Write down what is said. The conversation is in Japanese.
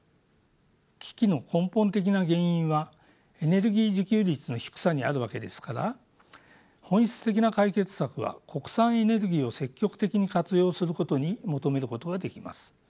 危機の根本的な原因はエネルギー自給率の低さにあるわけですから本質的な解決策は国産エネルギーを積極的に活用することに求めることができます。